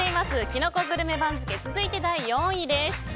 キノコグルメ番付続いて第４位です。